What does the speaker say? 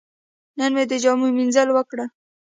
نن مې د جامو مینځل وکړل.